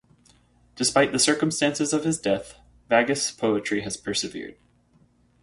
Despite the circumstances of his death, Vagif's poetry has persevered.